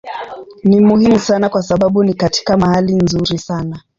Ni muhimu sana kwa sababu ni katika mahali nzuri sana.